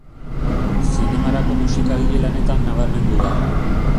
Zinemarako musikagile lanetan nabarmendu da.